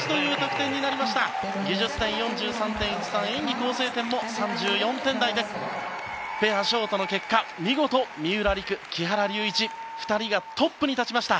構成点も３４点台でペアショートの結果、見事三浦璃来、木原龍一の２人がトップに立ちました。